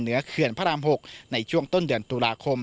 เขื่อนพระราม๖ในช่วงต้นเดือนตุลาคม